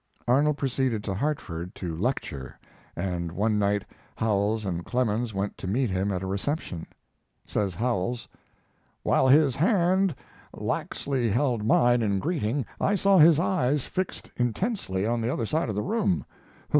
Arnold proceeded to Hartford to lecture, and one night Howells and Clemens went to meet him at a reception. Says Howells: While his hand laxly held mine in greeting I saw his eyes fixed intensely on the other side of the room.